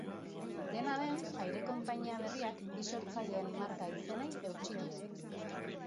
Dena den, aire-konpainia berriak bi sortzaileen marka-izenei eutsi die.